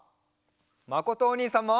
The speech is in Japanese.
まことおにいさんも！